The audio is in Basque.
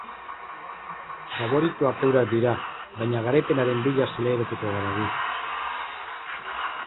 Faboritoak eurak dira, baina garaipenaren bila zelairatuko gara gu.